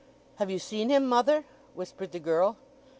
"Have you seen him, mother?" whispered the girl.